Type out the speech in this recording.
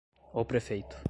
o prefeito;